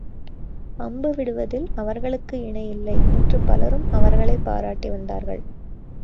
அம்பு விடுவதில் அவர்களுக்கு இணையில்லை என்று பலரும் அவர்களைப் பாராட்டி வந்தார்கள்.